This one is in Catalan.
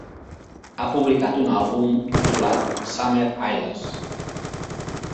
Ha publicat un àlbum titulat "Summer Isles"